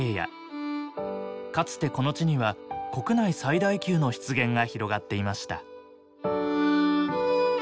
かつてこの地には国内最大級の湿原が広がっていました。